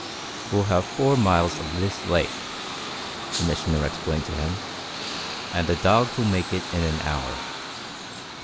"We'll have four miles of this lake," the Missioner explained to him, "and the dogs will make it in an hour.